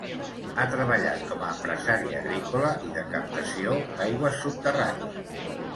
Ha treballat com a empresari agrícola i de captació d'aigües subterrànies.